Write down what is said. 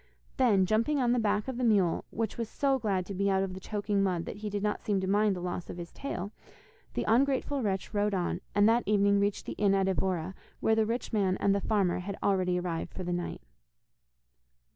Then, jumping on the back of the mule, which was so glad to be out of the choking mud that he did not seem to mind the loss of his tail, the ungrateful wretch rode on, and that evening reached the inn at Evora, where the rich man and the farmer had already arrived for the night.